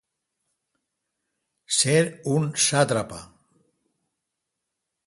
Ser un sàtrapa.